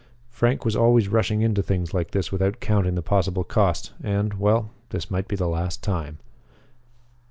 Frank was always rushing into things like this without counting the possible cost and well this might be the last time.